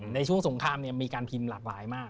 ในช่วงสงครามมีการพิมพ์หลากหลายมาก